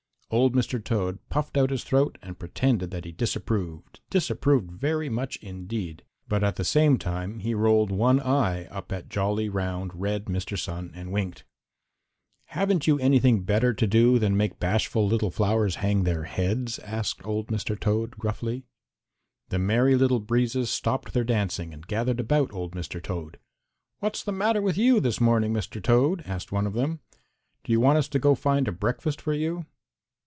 Old Mr. Toad puffed out his throat and pretended that he disapproved, disapproved very much indeed, but at the same time he rolled one eye up at jolly, round, red Mr. Sun and winked. "Haven't you anything better to do than make bashful little flowers hang their heads?" asked old Mr. Toad gruffly. The Merry Little Breezes stopped their dancing and gathered about old Mr. Toad. "What's the matter with you this morning, Mr. Toad?" asked one of them. "Do you want us to go find a breakfast for you?"